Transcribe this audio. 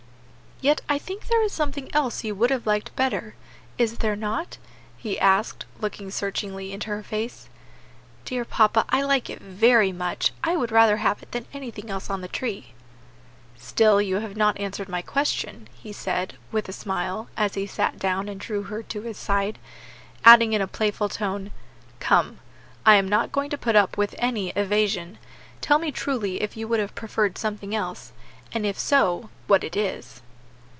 "Yet I think there is something else you would have liked better; is there not?" he asked, looking searchingly into her face. "Dear papa, I like it very much; I would rather have it than anything else on the tree." "Still you have not answered my question," he said, with a smile, as he sat down and drew her to his side, adding in a playful tone, "Come, I am not going to put up with any evasion; tell me truly if you would have preferred something else, and if so, what it is."